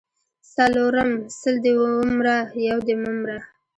څلرم:سل دي ومره یو دي مه مره